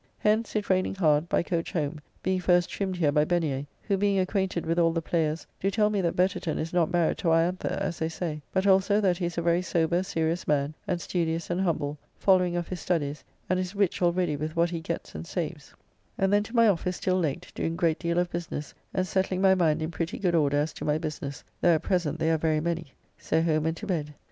Hence, it raining hard, by coach home, being first trimmed here by Benier, who being acquainted with all the players, do tell me that Betterton is not married to Ianthe, as they say; but also that he is a very sober, serious man, and studious and humble, following of his studies, and is rich already with what he gets and saves, and then to my office till late, doing great deal of business, and settling my mind in pretty good order as to my business, though at present they are very many. So home and to bed.